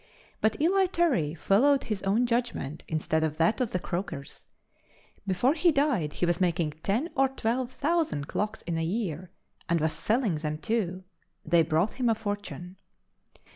But Eli Terry followed his own judgment instead of that of the croakers; before he died he was making ten or twelve thousand clocks in a year and was selling them too. They brought him a fortune.